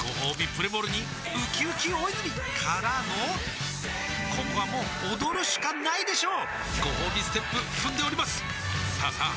プレモルにうきうき大泉からのここはもう踊るしかないでしょうごほうびステップ踏んでおりますさあさあ